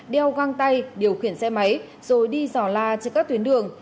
đeo găng tay điều khiển xe máy rồi đi dò la trên các tuyến đường